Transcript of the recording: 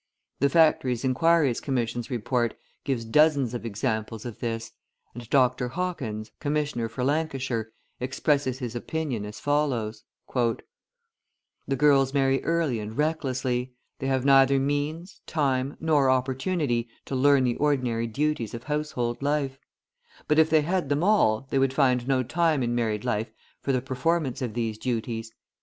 The Factories' Inquiry Commission's Report gives dozens of examples of this, and Dr. Hawkins, Commissioner for Lancashire, expresses his opinion as follows: {147c} "The girls marry early and recklessly; they have neither means, time, nor opportunity to learn the ordinary duties of household life; but if they had them all, they would find no time in married life for the performance of these duties.